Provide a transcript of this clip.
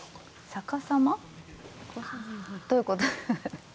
どういうこと？